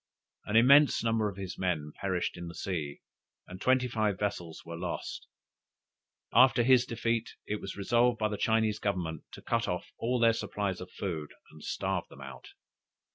An immense number of his men perished in the sea, and twenty five vessels were lost. After his defeat, it was resolved by the Chinese Government to cut off all their supplies of food, and starve them out.